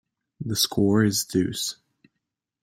The score is deuce.